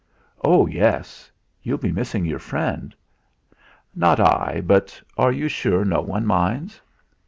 "Oh, yes! You'll be missing your friend." "Not I. But are you sure no one minds?"